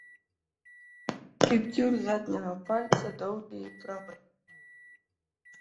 Кіпцюр задняга пальца доўгі і прамы.